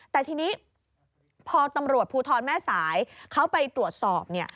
แต่ทีนี้พอตำรวจภูทรแม่สายเขาไปตรวจสอบ